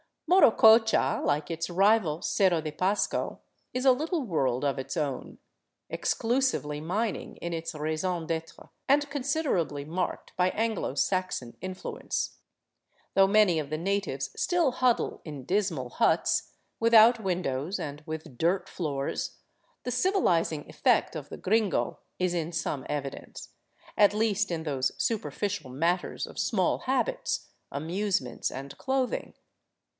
Morococha, like its rival, Cerro de Pasco, is a little world of its own, exclusively mining in its raison d'etre and considerably marked by Anglo Saxon influence. Though many of the natives still hud dle in dismal huts, without windows and with dirt floors, the civilizing effect of the gringo is in some evidence, at least in those superficial matters of small habits, amusements, and clothing.